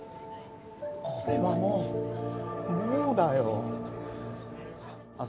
これはもうもうだよ。